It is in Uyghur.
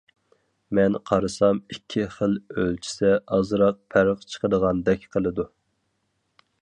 مەن قارىسام ئىككى خىل ئۆلچىسە ئازراق پەرق چىقىدىغاندەك قىلىدۇ.